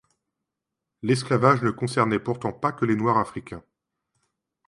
L’esclavage ne concernait pourtant pas que les Noirs africains.